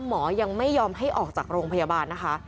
หมอยังไม่ยอมให้ออกจากโรงพยาบาลนะคะ